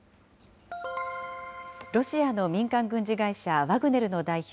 ロシアの民間軍事会社、ワグネルの代表